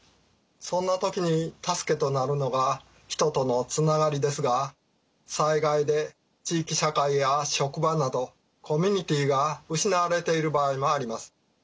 そんな時に助けとなるのが人とのつながりですが災害で地域社会や職場などコミュニティーが失われている場合もあります。